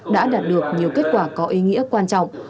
đã đạt được nhiều kết quả có ý nghĩa quan trọng